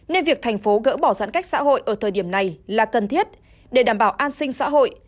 nên việc thành phố gỡ bỏ giãn cách xã hội ở thời điểm này là cần thiết để đảm bảo an sinh xã hội